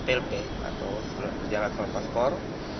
beliau memberikan splp atau sejarah kemas paspor